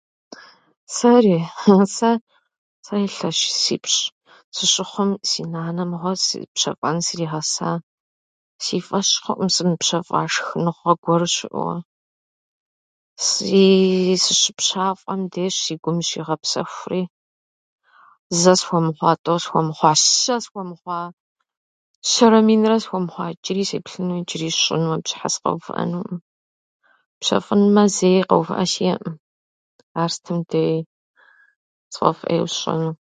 Сэри? Сэ илъэсипщӏ сыщыхъум, си нанэ мыгъуэ пщэфӏэр сригъэса. Си фӏэщ хъуӏым сымыпщэфӏа шхыныгъуэ гуэр щыӏэуэ. сии- Сыщыпщафӏэм дещ си гум зыщигъэпсэхури, зэ схуэмыхъуэ, тӏэу схуэмыхъуа, щэ схуэмыхъуэ, щэрэ минрэ схуэмыхъуэ, иджыри сеплъыну, иджыри сщӏыну, абы щхьа сыкъэувыӏэнуӏым. Пщэфӏынумэ зэи къэувыӏэ сиӏэӏым, ар сытым деи сфӏэфӏ ӏейуэ сщӏыну.